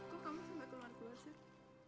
kok kamu sampai keluar keluar sih